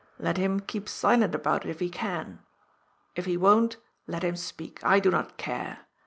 Let him keep silent about it, if he can. If he won't, let him speak. I do not care.